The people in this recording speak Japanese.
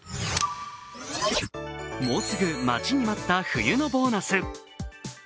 もうすぐ待ちに待った冬のボーナス。